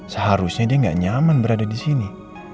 seharusnya dia gak nyaman berada disini